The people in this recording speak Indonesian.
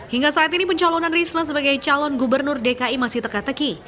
hingga saat ini pencalonan risma sebagai calon gubernur dki masih teka teki